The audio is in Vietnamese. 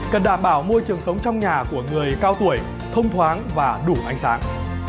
cần đảm bảo môi trường sống trong nhà của người cao tuổi thông thoáng và đủ ánh sáng